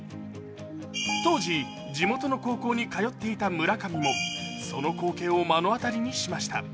当時、地元の高校生に通っていた村上もその光景を目の当たりにしました。